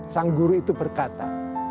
sang guru itu berkata